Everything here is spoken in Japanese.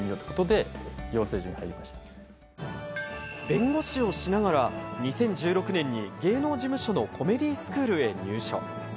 弁護士をしながら２０１６年に芸能事務所のコメディスクールに入所。